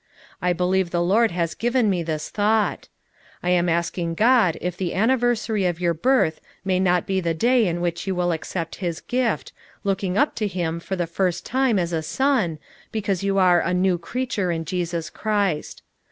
I believe the Lord has given me this thought. I am asking God if the anni versary of your birth may not be the day in which you will accept his gift, looking up to him for the first time as a son, because you are a 'new creature in Jesus Christ.'